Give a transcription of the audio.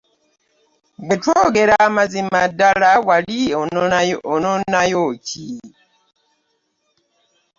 Bwe twogera amazima ddala wali ononayo ki?